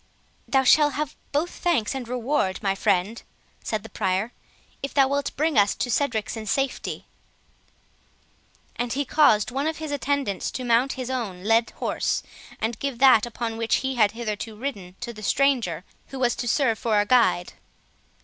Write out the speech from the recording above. "Thou shalt have both thanks and reward, my friend," said the Prior, "if thou wilt bring us to Cedric's in safety." And he caused one of his attendants to mount his own led horse, and give that upon which he had hitherto ridden to the stranger, who was to serve for a guide.